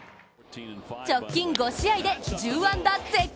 直近５試合で１０安打。